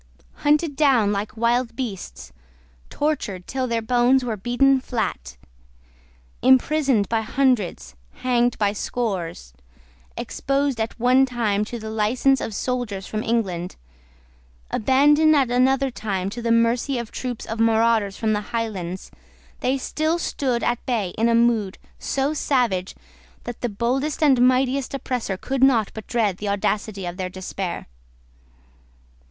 Hunted down like wild beasts, tortured till their bones were beaten flat, imprisoned by hundreds, hanged by scores, exposed at one time to the license of soldiers from England, abandoned at another time to the mercy of troops of marauders from the Highlands, they still stood at bay in a mood so savage that the boldest and mightiest oppressor could not but dread the audacity of their despair.